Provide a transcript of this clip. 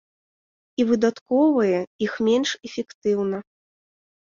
І выдаткоўвае іх менш эфектыўна.